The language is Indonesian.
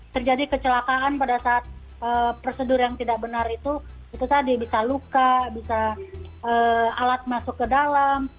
terjadi kecelakaan pada saat prosedur yang tidak benar itu itu tadi bisa luka bisa alat masuk ke dalam